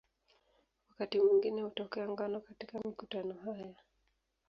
Wakati mwingine hutokea ngono katika mikutano haya.